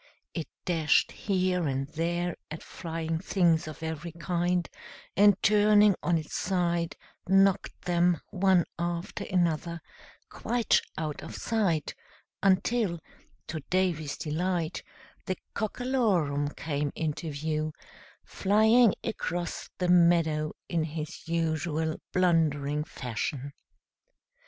It dashed here and there at flying things of every kind, and, turning on its side, knocked them, one after another, quite out of sight, until, to Davy's delight, the Cockalorum came into view, flying across the meadow in his usual blundering fashion.